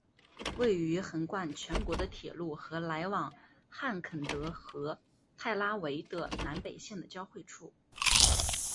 位于横贯全国的铁路和来往汉肯德和泰拉维的南北线的交汇处。